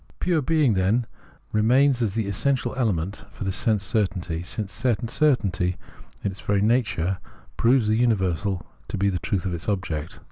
Pure being, then, remains as the essential element for this sense certainty, since sense certainty in its very nature proves the universal to be the truth of its object.